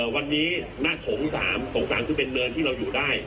วันนี้หน้าโถงสามโถงสามคือเป็นเดินที่เราอยู่ได้